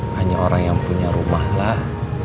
hanya orang yang punya rumahlah